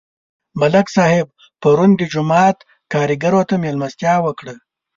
ملک صاحب پرون د جومات کارګرو ته مېلمستیا وکړه.